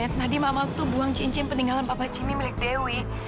tadi mamaku tuh buang cincin peninggalan bapak jimmy milik dewi